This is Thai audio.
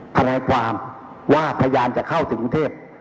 ทนายความว่าพยานจะเข้าถึงกรุงเทพ